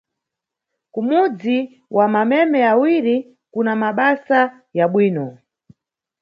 Kumudzi wa Mameme awiri kuna mabasa ya bwino.